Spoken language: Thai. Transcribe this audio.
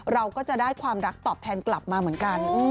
เราก็จะได้ความรักตอบแทนกลับมาเหมือนกัน